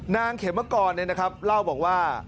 นางเขมรกรเนี่ยนะครับเล่าบอกว่า